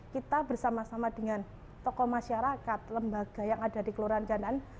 kita bersama sama dengan tokoh masyarakat lembaga yang ada di kelurahan gandaan